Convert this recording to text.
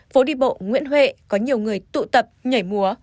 phố đi bộ nguyễn huệ có nhiều người tụ tập nhảy múa